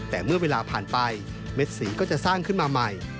แต่เมื่อเวลาผ่านไปเม็ดสีก็จะสร้างขึ้นมาใหม่